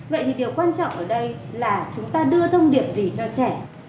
vậy thì điều quan trọng ở đây là chúng ta đưa thông điệp gì cho trẻ